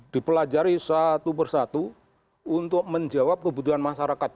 dipelajari satu persatu untuk menjawab kebutuhan masyarakat